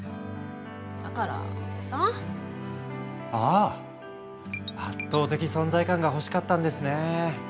ああ圧倒的存在感が欲しかったんですねえ。